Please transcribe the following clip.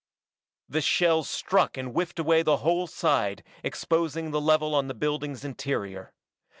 The shells struck and whiffed away the whole side, exposing the level on the building's interior.